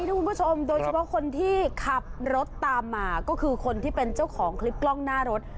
คุณผู้ชมโดยเฉพาะคนที่ขับรถตามมาก็คือคนที่เป็นเจ้าของคลิปกล้องหน้ารถ